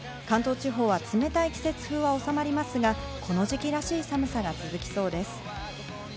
関東地方は冷たい季節風は収まりますが、この時期らしい寒さが続きそうです。